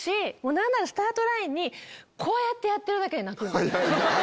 何ならスタートラインにこうやってるだけで泣くんです。